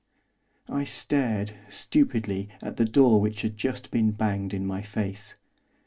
I stared, stupidly, at the door which had just been banged in my face.